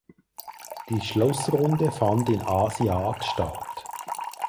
Die Schlussrunde fand in Aasiaat statt.